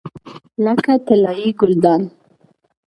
لکه طلایي ګلدان.